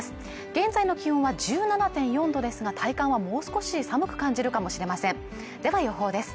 現在の気温は１７．４度ですが体感はもう少し寒く感じるかもしれませんでは予報です